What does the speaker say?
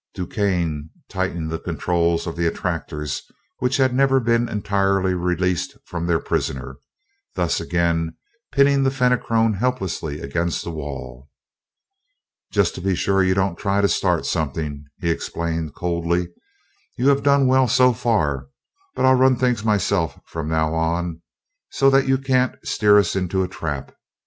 DuQuesne tightened the controls of the attractors, which had never been entirely released from their prisoner, thus again pinning the Fenachrone helplessly against the wall. "Just to be sure you don't try to start something," he explained coldly. "You have done well so far, but I'll run things myself from now on, so that you can't steer us into a trap.